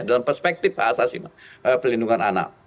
dalam perspektif hak asasi pelindungan anak